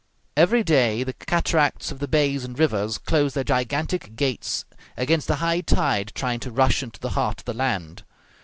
Every day the cataracts of the bays and rivers close their gigantic gates against the high tide trying to rush into the heart of the land.